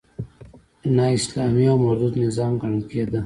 نا اسلامي او مردود نظام ګڼل کېده.